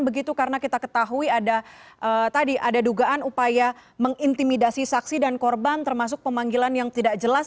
begitu karena kita ketahui ada dugaan upaya mengintimidasi saksi dan korban termasuk pemanggilan yang tidak jelas